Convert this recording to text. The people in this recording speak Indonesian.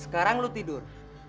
sekarang lo tidur